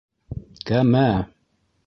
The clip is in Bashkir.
Кәмә!